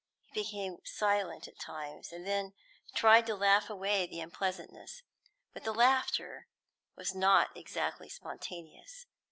He became silent at times, and then tried to laugh away the unpleasantness, but the laughter was not exactly spontaneous.